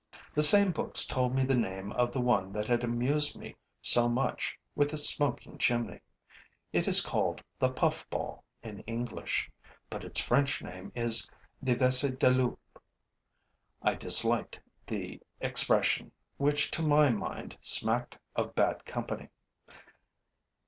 The same books told me the name of the one that had amused me so much with its smoking chimney. It is called the puffball in English, but its French name is the vesse de loup. I disliked the expression, which to my mind smacked of bad company.